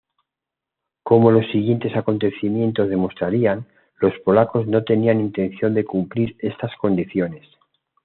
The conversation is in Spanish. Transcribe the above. Como los siguientes acontecimientos demostrarían, los polacos no tenían intenciones de cumplir estas condiciones.